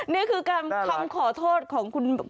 นี่คือการคำขอโทษของคุณ